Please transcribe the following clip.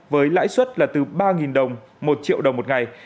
với lãi suất là từ ba đồng một triệu đồng một ngày